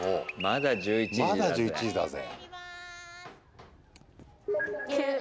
まだ１１時だぜ。